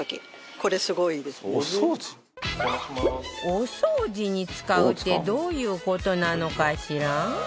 お掃除に使うってどういう事なのかしら？